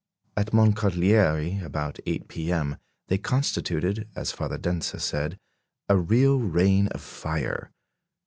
At Moncalieri, about 8 p.m., they constituted (as Father Denza said) a "real rain of fire."